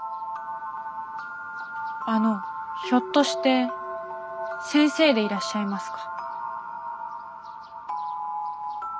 あのひょっとして先生でいらっしゃいますか？